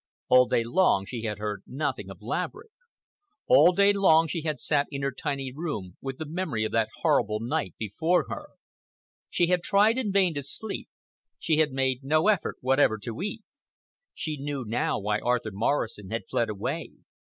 All day long she had heard nothing of Laverick. All day long she had sat in her tiny room with the memory of that horrible night before her. She had tried in vain to sleep,—she had made no effort whatever to eat. She knew now why Arthur Morrison had fled away.